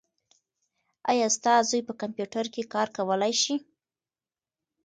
ایا ستا زوی په کمپیوټر کې کار کولای شي؟